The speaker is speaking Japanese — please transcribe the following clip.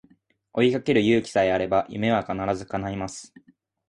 追いかける勇気さえあれば夢は必ず叶います